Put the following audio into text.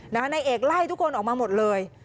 นายเอกไล่ทุกคนออกมาหมดเลย